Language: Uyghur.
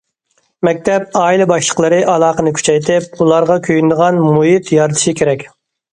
مەكتەپ، ئائىلە باشلىقلىرى ئالاقىنى كۈچەيتىپ، ئۇلارغا كۆيۈنىدىغان مۇھىت يارىتىشى كېرەك.